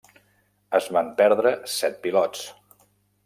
Es van perdre set pilots.